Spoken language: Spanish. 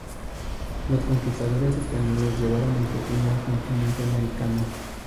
Los conquistadores españoles llevaron el pepino al continente americano.